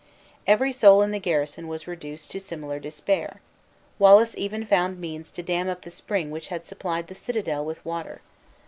Every soul in the garrison was reduced to similar despair. Wallace even found means to dam up the spring which had supplied the citadel with water.